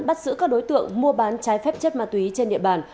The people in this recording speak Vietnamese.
bắt giữ các đối tượng mua bán trái phép chất ma túy trên địa bàn